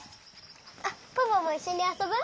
あっポポもいっしょにあそぶ？